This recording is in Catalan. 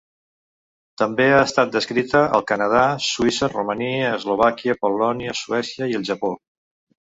També ha estat descrita al Canadà, Suïssa, Romania, Eslovàquia, Polònia, Suècia i el Japó.